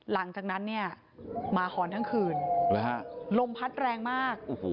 หลังจากนั้นเนี่ยหมาหอนทั้งคืนลมพัดแรงมาก